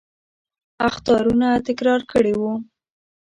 اخطارونه تکرار کړي وو.